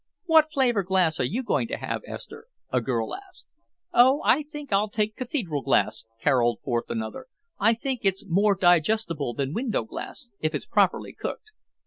"What flavor glass are you going to have, Esther?" a girl asked. "Oh, I think I'll take cathedral glass," caroled forth another; "I think it's more digestible than window glass, if it's properly cooked."